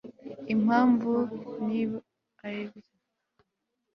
impamvu niba aribyo